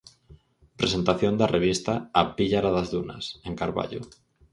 Presentación da revista 'A píllara das dunas', en Carballo.